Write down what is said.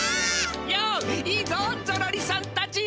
よっいいぞゾロリさんたち！